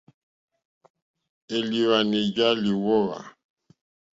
Élìhwwànì já lyǒhwá.